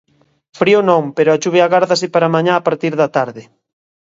Frío non, pero a chuvia agárdase para mañá a partir da tarde...